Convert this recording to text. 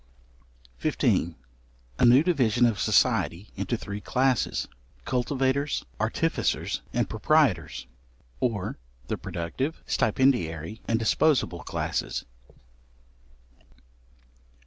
§15. A new division of society into three classes. Cultivators, Artificers, and Proprietors, or the productive, stipendiary, and disposible classes.